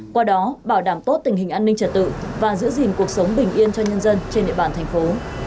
qua đó bảo đảm tốt tình hình an ninh trật tự và giữ gìn cuộc sống bình yên cho nhân dân trên địa bàn thành phố